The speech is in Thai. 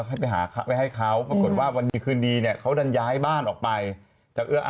อ๋อแล้วทีเนี้ยทางเอมมี่แหละเอมมี่อัมบรวรรณแหละ